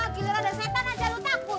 giliran dan setan aja lu takut